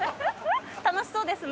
楽しそうですね。